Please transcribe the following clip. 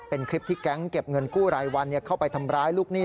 เป็นคลิปที่แก๊งเก็บเงินกู้รายวันเข้าไปทำร้ายลูกหนี้